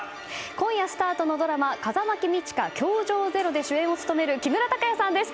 今夜スタートのドラマ「風間公親‐教場０‐」で主演を務める木村拓哉さんです。